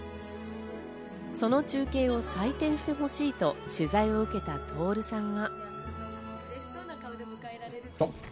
その中継を採点してほしいと取材を受けた徹さんは。